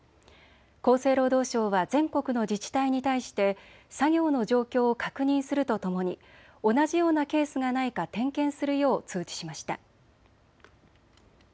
厚生労働省は全国の自治体に対して作業の状況を確認するとともに同じようなケースがないか点検するよう通知しました。